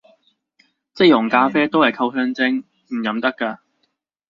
即溶咖啡都係溝香精，唔飲得咖